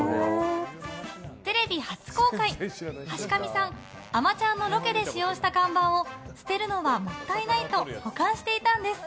テレビ初公開、橋上さん「あまちゃん」のロケで使用した看板を捨てるのはもったいないと保管していたんです。